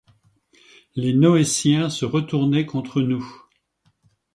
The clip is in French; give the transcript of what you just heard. les Noétiens se retournaient contre nous.